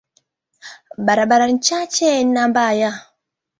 Barabara ni chache na mbaya.